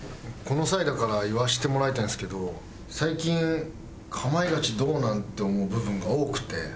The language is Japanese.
この際だから言わせてもらいたいんですけど最近『かまいガチ』どうなん？って思う部分が多くて。